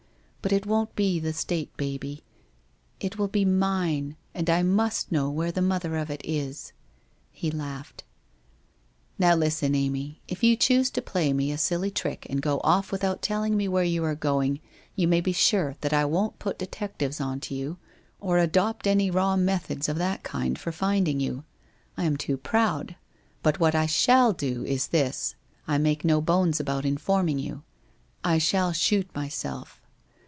But it won't be the State baby, it will be Mine, and I must know where the mother of it is/ He laughed. ' Now, listen. Amy, if you choose to play me a silly trick and go off without telling me where you are going, you may be sure that I won't put detectives on to you or adopt any raw methods of that kind for finding you. I am too proud. But what I shall do is this: I make no bones about informing you. I shall shoot myself.